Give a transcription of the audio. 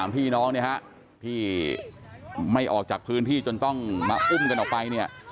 ๓พี่น้องที่ไม่ออกจากพื้นที่จนต้องมาอุ้มกันออกไป